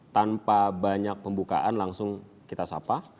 tanpa banyak pembukaan langsung kita sapa